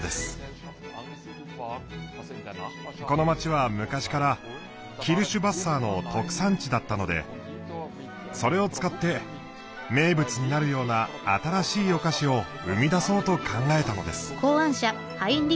この街は昔からキルシュヴァッサーの特産地だったのでそれを使って名物になるような新しいお菓子を生み出そうと考えたのです。